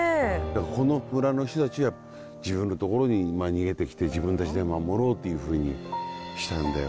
この村の人たちは自分のところに逃げてきて自分たちで守ろうっていうふうにしたんだよ。